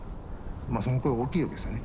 そのくらい大きいわけですよね